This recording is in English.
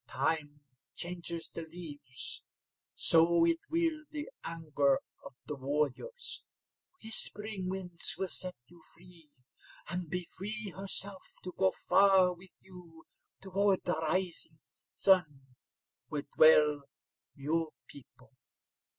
Time changes the leaves, so it will the anger of the warriors. Whispering Winds will set you free, and be free herself to go far with you toward the rising sun, where dwell your people.